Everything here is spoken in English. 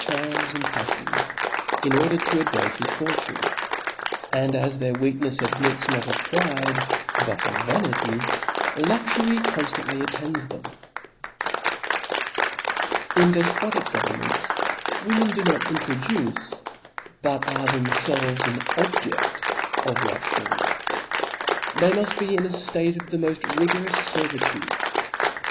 '9, charms and paflions, in order to ad^^ance his for tune : and as their weaknefs admits not of pride, but of vanity, luxury conftantly attends them. In defpotic governments women do not intro duce, but are themfelves an objedt of, luxury. They muft be in a ftate of the moft rigorous fer vitude.